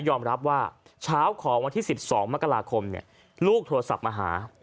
ยอมรับว่าเช้าของวันที่๑๒มกราคมลูกโทรศัพท์มาหา